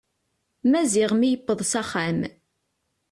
Maziɣ mi yewweḍ s axxam.